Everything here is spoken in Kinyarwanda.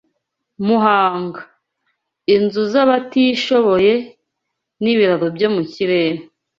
Muhanga: Inzu z’abatishoboye n’ibiraro byo mu kirere